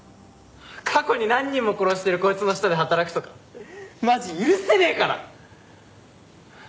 過去に何人も殺してるこいつの下で働くとかマジ許せねえから！